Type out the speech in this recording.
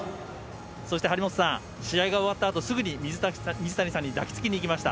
そして張本さん、試合が終わったあと、すぐに水谷さんに抱きつきに行きました。